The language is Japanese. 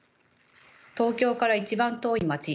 「東京から一番遠いまち」。